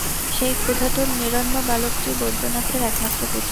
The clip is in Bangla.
সেই ক্ষুধাতুর নিরন্ন বালকটি বৈদ্যনাথের একমাত্র পুত্র।